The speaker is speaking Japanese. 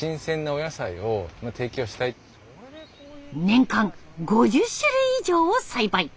年間５０種類以上を栽培。